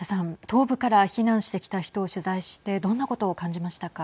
東部から避難してきた人を取材してどんなことを感じましたか。